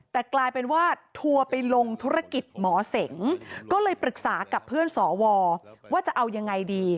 แต่กลายเป็นว่าทัวร์ไปลงธุรกิจหมอเสงก็เลยปรึกษากับเพื่อนสวว่าจะเอายังไงดี